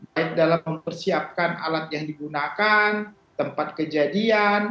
baik dalam mempersiapkan alat yang digunakan tempat kejadian